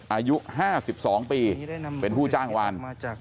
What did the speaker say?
อายุ๕๒ปีเป็นผู้จ้างวาน